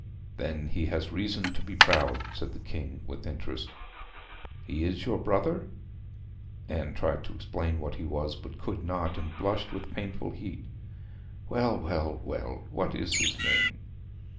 'Then he has reason to be proud,' said the King with interest. 'He is your brother?' Anne tried to explain what he was, but could not, and blushed with painful heat. 'Well, well, well; what is his name?'